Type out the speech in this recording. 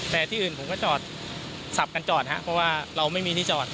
แต่ที่อื่นผมก็จอดสับกันจอดครับเพราะว่าเราไม่มีที่จอด